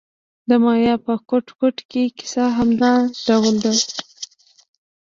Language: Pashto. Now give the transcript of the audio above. د مایا په ګوټ ګوټ کې کیسه همدا ډول ده.